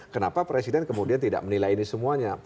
kenapa presiden kemudian tidak menilai ini semuanya